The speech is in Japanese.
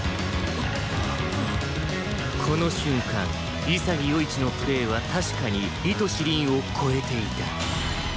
この瞬間潔世一のプレーは確かに糸師凛を超えていた